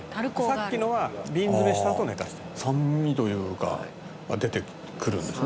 さっきのは瓶詰めしたあと寝かせてる」酸味というか出てくるんですね。